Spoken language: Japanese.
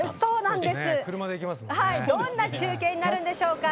どんな中継になるんでしょうか。